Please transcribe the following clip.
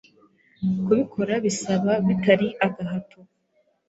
kubikora bisaba bitari agahato